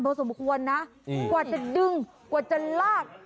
เพราะสมควรนะอืมกว่าจะดึงกว่าจะลาก